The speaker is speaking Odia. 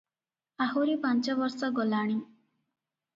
ଆହୁରି ପାଞ୍ଚବର୍ଷ ଗଲାଣି ।